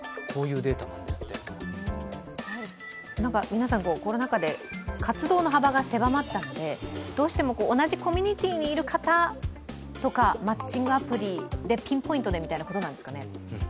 皆さん、コロナ禍で活動の幅が狭まったので、どうしても同じコミュニティーにいる方とかマッチングアプリでピンポイントでみたいなことなんですかね。